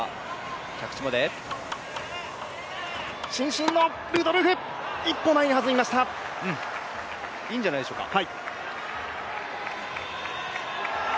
伸身のルドルフ、一歩前に出ましたいいんじゃないでしょうか。